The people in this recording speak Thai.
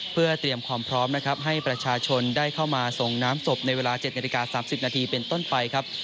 เพื่อเตรียมความพร้อมนะครับให้ประชาชนได้เข้ามาส่งน้ำศพในเวลา๗นาฬิกา๓๐นาทีเป็นต้นไปครับ